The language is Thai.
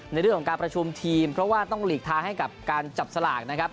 ในเรื่องของการประชุมทีมเพราะว่าต้องหลีกทางให้กับการจับสลากนะครับ